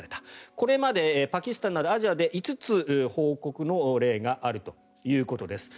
これまでパキスタンなどアジアで５つ、報告例があるということです。